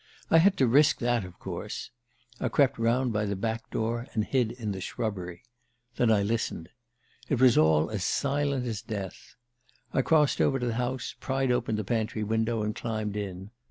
I had to risk that, of course. I crept around by the back door and hid in the shrubbery. Then I listened. It was all as silent as death. I crossed over to the house, pried open the pantry window and climbed in.